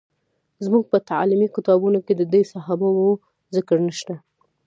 زموږ په تعلیمي کتابونو کې د دې صحابه وو ذکر نشته.